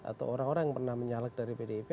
atau orang orang yang pernah menyalak dari pdip